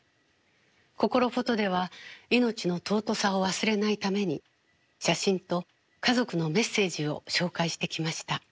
「こころフォト」では命の尊さを忘れないために「写真」と家族の「メッセージ」を紹介してきました。